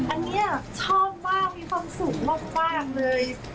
อันนี้ชอบมากมีความสุขมากเลย